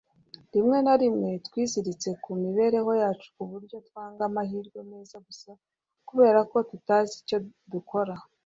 rimwe na rimwe, twiziritse ku mibereho yacu ku buryo twanga amahirwe meza gusa kubera ko tutazi icyo dukora